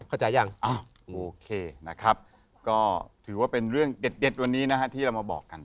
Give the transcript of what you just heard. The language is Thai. อาจารย์ว่าเป็นเรื่องเด็ดวันนี้นะครับที่เรามาบอกกัน